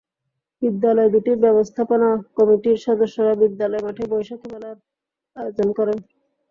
বিদ্যালয় দুটির ব্যবস্থাপনা কমিটির সদস্যরা বিদ্যালয় মাঠে বৈশাখী মেলার আয়োজন করেন।